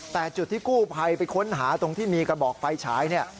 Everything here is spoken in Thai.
แต่จุดที่กู้ภัยไปค้นหาตรงที่มีกระบอกไฟฉายเนี่ย